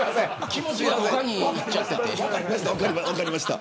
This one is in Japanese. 気持ちが他にいっちゃってて。